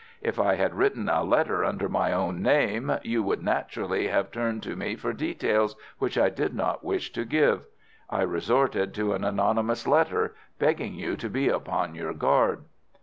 If I had written a letter under my own name, you would naturally have turned to me for details which I did not wish to give. I resorted to an anonymous letter, begging you to be upon your guard.